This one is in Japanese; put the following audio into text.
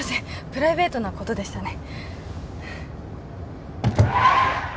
プライベートなことでしたね